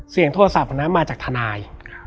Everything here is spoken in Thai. เสียงโทรศัพท์อันนั้นมาจากทนาย